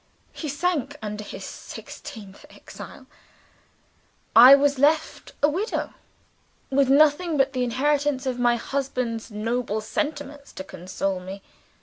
He sank under his sixteenth exile. I was left a widow with nothing but the inheritance of my husband's noble sentiments to console me.